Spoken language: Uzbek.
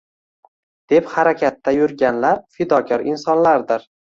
deb harakatda yurganlar fidokor insonlardir.